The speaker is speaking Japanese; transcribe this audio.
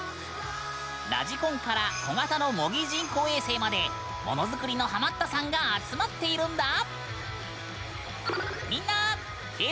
ラジコンから小型の模擬人工衛星までものづくりのハマったさんが集まっているんだ。